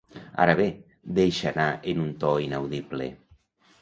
Ara bé —deixa anar en un to inaudible—.